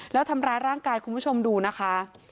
แล้วทำร้ายร่างกายคุณผู้ชมดูนะคะ